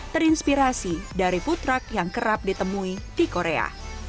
terinspirasi dari food truck yang kerap ditemui di korea